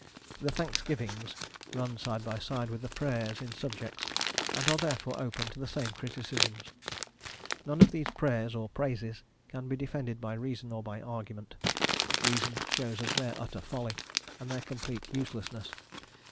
The Thanksgivings run side by side with the prayers in subjects, and are therefore open to the same criticisms. None of these prayers or praises can be defended by reason or by argument; reason shows us their utter folly, and their complete uselessness.